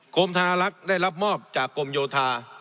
กรมธนลักษณ์ได้รับมอบจากกรมโยธา